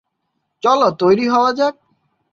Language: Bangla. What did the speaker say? চলো, তৈরী হওয়া যাক।